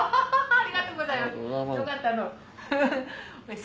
ありがとうございます。